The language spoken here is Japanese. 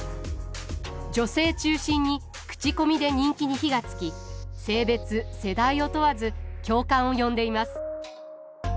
女性中心に口コミで人気に火がつき性別世代を問わず共感を呼んでいます。